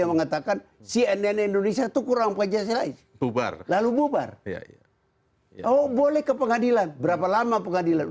mungkin time n unto kurang saja syaikh bu bar lalu bubar oh boleh ke pengadilan berapa lama pengadilan